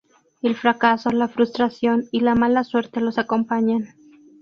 El fracaso, la frustración y la mala suerte los acompañan.